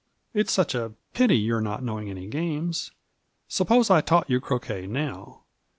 " It's such a pity, your not knowing any games. Suppose I taught you croquet, now